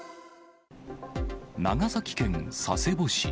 長崎県佐世保市。